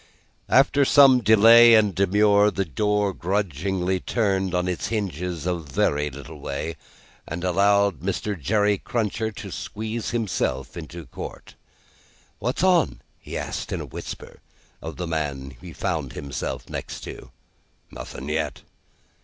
After some delay and demur, the door grudgingly turned on its hinges a very little way, and allowed Mr. Jerry Cruncher to squeeze himself into court. "What's on?" he asked, in a whisper, of the man he found himself next to. "Nothing yet."